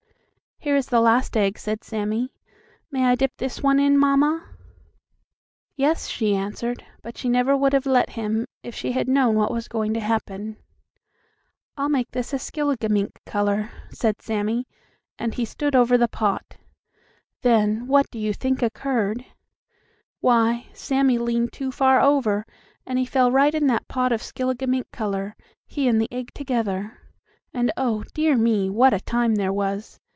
"Here is the last egg," said Sammie. "May I dip this one in, mamma?" "Yes," she answered, but she never would have let him if she had known what was going to happen. "I'll make this a skilligimink color," said Sammie, and he stood over the pot. Then, what do you think occurred? Why, Sammie leaned too far over and he fell right in that pot of skilligimink color; he and the egg together. And oh, dear me! what a time there was.